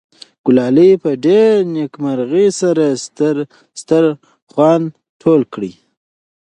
ګلالۍ په ډېرې نېکمرغۍ سره دسترخوان ټول کړ.